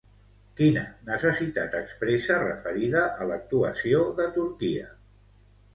Quina necessitat expressa referida a l'actuació de Turquia?